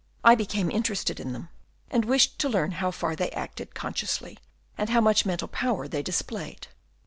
3 I became interested in them, and wished to learn how far they acted consciously, and how much mental power they displayed.